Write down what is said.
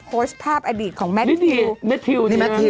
โพสต์ภาพอดีตของแมททิวแมททิวนี่แมททิว